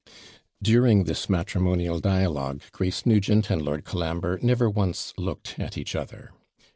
During this matrimonial dialogue, Grace Nugent and Lord Colambre never once looked at each other.